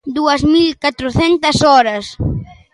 Dúas mil catrocentas horas.